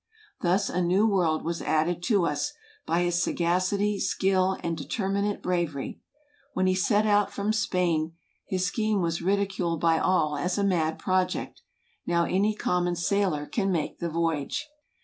Thus a new world was added to us, by his sagacity, skill, and deter¬ minate bravery. When he set out from Spain, his scheme was ridiculed by all as a mad project; now any common sailor can make the voyage.